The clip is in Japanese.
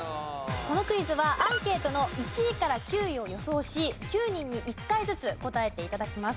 このクイズはアンケートの１位から９位を予想し９人に１回ずつ答えて頂きます。